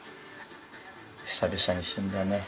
久々に死んだね。